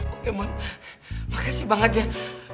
oke mon makasih banget yan